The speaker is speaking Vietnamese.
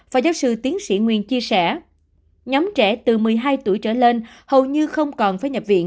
phó giáo sư tiến sĩ nguyên chia sẻ nhóm trẻ từ một mươi hai tuổi trở lên hầu như không còn phải nhập viện